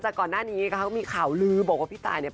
ก่อนหน้านี้นะคะก็มีข่าวลือบอกว่าพี่ตายเนี่ย